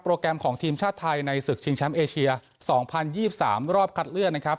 แกรมของทีมชาติไทยในศึกชิงแชมป์เอเชีย๒๐๒๓รอบคัดเลือกนะครับ